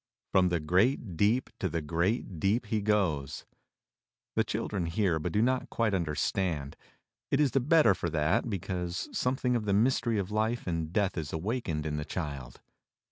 "From the great deep to the great deep he goes." The children hear but do not quite understand — it is the better for that because something of the mystery of life and death is awakened in the child.